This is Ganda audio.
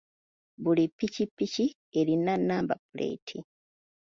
Buli ppikipiki erina namba puleeti.